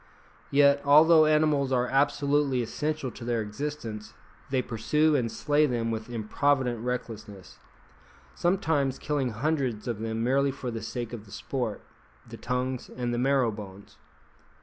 Yet, although animals are absolutely essential to their existence, they pursue and slay them with improvident recklessness, sometimes killing hundreds of them merely for the sake of the sport, the tongues, and the marrow bones.